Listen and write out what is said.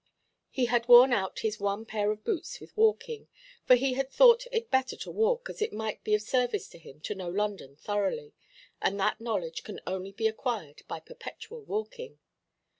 He had worn out his one pair of boots with walking, for he had thought it better to walk, as it might be of service to him to know London thoroughly; and that knowledge can only be acquired by perpetual walking.